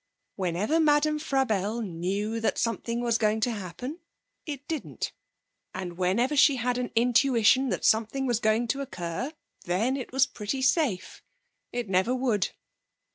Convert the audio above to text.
Whenever Madame Frabelle knew that something was going to happen, it didn't, and whenever she had an intuition that something was going to occur, then it was pretty safe. It never would.